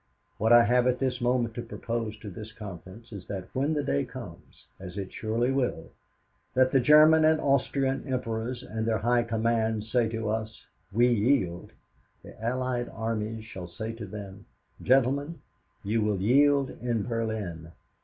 What I have at this moment to propose to this conference is that when the day comes as it surely will that the German and the Austrian emperors and their high commands say to us, "We yield," the Allied armies shall say to them: "Gentlemen, you will yield in Berlin.